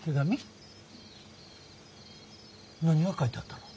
何が書いてあったの？